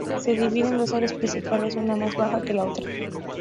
Se divide en dos áreas principales, una más baja que la otra.